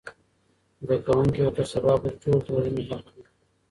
زده کوونکي به تر سبا پورې ټول تمرینونه حل کړي وي.